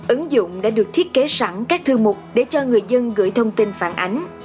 ứng dụng đã được thiết kế sẵn các thư mục để cho người dân gửi thông tin phản ánh